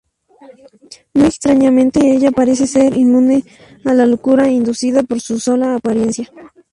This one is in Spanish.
Muy extrañamente, ella parece ser inmune a la locura inducida por su sola apariencia.